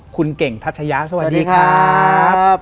คุณเก่งทัชยะสวัสดีครับ